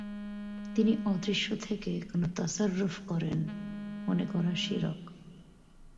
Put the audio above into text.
তিনি অদৃশ্য থেকে কোন তাসাররুফ করেন মনে করা শিরক।